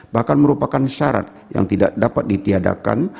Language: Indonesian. bahkan merupakan syarat yang tidak dapat ditiadakan